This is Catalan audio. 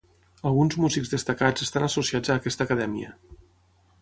Alguns músics destacats estan associats a aquesta acadèmia.